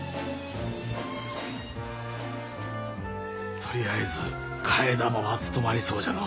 とりあえず替え玉は務まりそうじゃの。